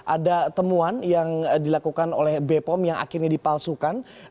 ada temuan yang dilakukan oleh bepom yang akhirnya dipalsukan